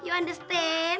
calonnya ntar jatoh pake hati